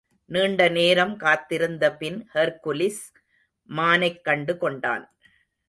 நீண்ட நேரம் காத்திருந்த பின் ஹெர்க்குலிஸ் மானைக் கண்டு கொண்டான்.